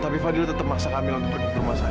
tapi fadil tetap mahsa kamila untuk tidur rumah sakit